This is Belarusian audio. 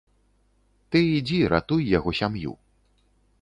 Ты ідзі, ратуй яго сям'ю.